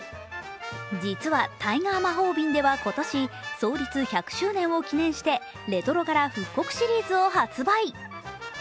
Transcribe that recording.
実は、タイガー魔法瓶では今年創立１００周年を記念して、レトロ柄復刻シリーズを発売。